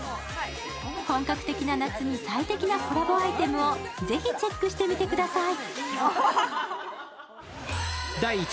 本格的な夏に最適なコラボアイテムをぜひチェックしてみてください。